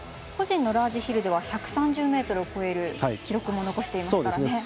個人のラージヒルでは１３０ｍを越える記録も残してますね。